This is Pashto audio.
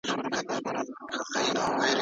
ماشومان د لوبو پر مهال وخت ورو احساسوي.